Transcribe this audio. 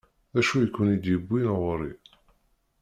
D acu i ken-id-yewwin ɣur-i?